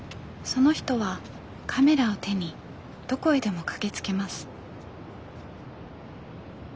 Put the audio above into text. その人はカメラを手にどこへでも駆けつけます。